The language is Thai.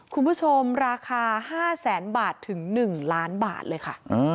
คุณผู้ชมราคา๕แสนบาทถึง๑ล้านบาทเลยค่ะ